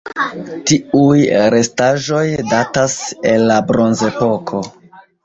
Tiuj restaĵoj datas el la Bronzepoko.